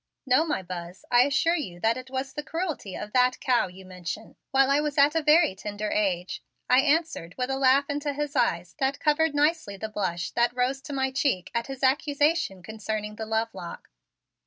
"No, my Buzz, I assure you that it was the cruelty of that cow you mention, while I was at a very tender age," I answered with a laugh into his eyes that covered nicely the blush that rose to my cheek at his accusation concerning the lovelock.